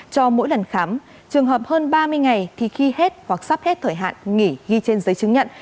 cho mỗi lần khám trường hợp hơn ba mươi ngày thì khi hết hoặc sắp hết thời hạn nghỉ ghi trên giấy chứng nhận